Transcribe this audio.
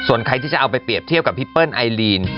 ส่วนใครที่จะเอาไปเปรียบเทียบกับพี่เปิ้ลไอลีน